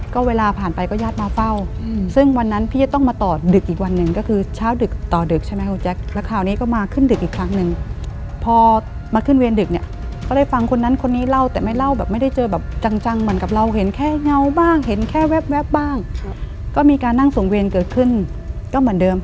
ก็เวลาผ่านไปก็ญาติมาเฝ้าซึ่งวันนั้นพี่จะต้องมาต่อดึกอีกวันหนึ่งก็คือเช้าดึกต่อดึกใช่ไหมคุณแจ๊คแล้วคราวนี้ก็มาขึ้นดึกอีกครั้งหนึ่งพอมาขึ้นเวรดึกเนี่ยก็ได้ฟังคนนั้นคนนี้เล่าแต่ไม่เล่าแบบไม่ได้เจอแบบจังเหมือนกับเราเห็นแค่เงาบ้างเห็นแค่แว๊บบ้างก็มีการนั่งส่งเวรเกิดขึ้นก็เหมือนเดิม